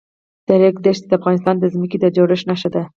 د ریګ دښتې د افغانستان د ځمکې د جوړښت نښه ده.